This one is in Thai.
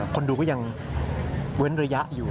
คนดูก็ยังเว้นระยะอยู่